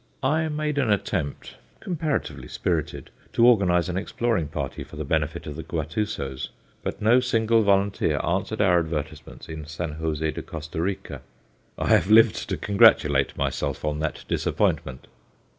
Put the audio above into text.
I made an attempt comparatively spirited to organize an exploring party for the benefit of the Guatusos, but no single volunteer answered our advertisements in San José de Costa Rica; I have lived to congratulate myself on that disappointment.